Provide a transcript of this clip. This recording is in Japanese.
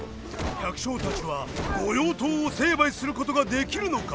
百姓たちは御用盗を成敗することができるのか？